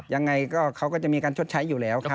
ยังไงก็เขาก็จะมีการชดใช้อยู่แล้วครับ